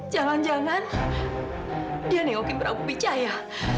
jangan jangan dia nengokin prabu pijaya